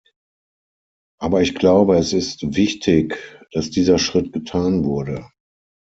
Aber ich glaube, es ist wichtig, dass dieser Schritt getan wurde.